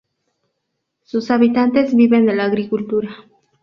Sus habitantes viven de la agricultura.